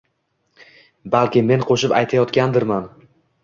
Balki men qo‘shib aytayotgandirman.